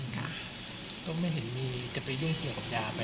ก็ไม่เห็นมีจะไปยุ่งเกี่ยวกับยาไป